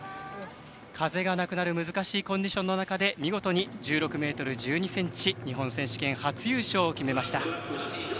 風がなくなる難しいコンディションの中見事に１６ｍ１２ｃｍ日本選手権初優勝を決めました。